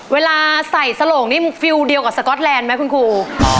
เวลาใส่สโล่งนี่มึงฟิวเดียวกับสก๊อตแลนด์มั้ยคุณครู